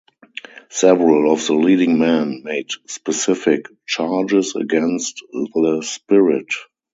Several of the leading men made specific charges against the spirit.